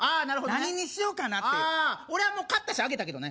何にしようかなって俺はもう買ったしあげたけどね